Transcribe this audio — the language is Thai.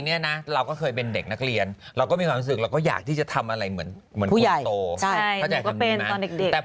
เพราะไม่อยากให้กระเซิกหรือแบบ